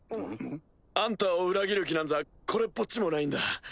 あんたを裏切る気なんざこれっぽっちもないんだ。